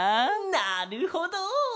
なるほど！